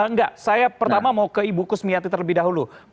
enggak saya pertama mau ke ibu kusmiati terlebih dahulu